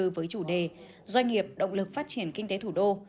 với chủ đề doanh nghiệp động lực phát triển kinh tế thủ đô